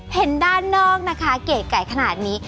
เห็นด้านนอกนะคะเก๋ไก่ขนาดนี้